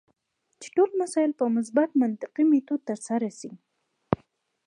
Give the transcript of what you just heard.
چې ټول مسایل په مثبت منطقي میتود ترسره شي.